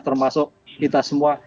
termasuk kita semua